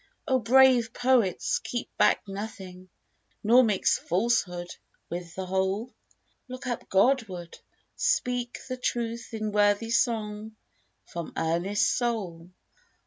O brave poets, keep back nothing ; Nor mix falsehood with the whole ! Look up Godward! speak the truth in Worthy song from earnest soul